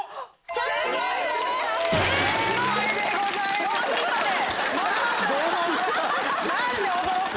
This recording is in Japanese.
正解でございます。